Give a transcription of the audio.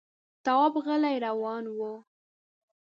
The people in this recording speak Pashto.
تواب غلی روان و.